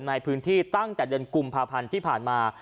ในพื้นที่ตั้งแต่เดือนกุมภาพันธ์ที่ผ่านมา